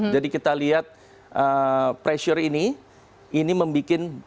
jadi kita lihat pressure ini ini membuat marketnya berubah